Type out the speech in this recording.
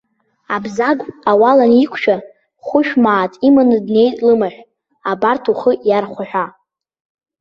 Абзагә ауал аниқәшәа, хәышә мааҭ иманы днеит лымаҳә, абарҭ ухы иархәа ҳәа.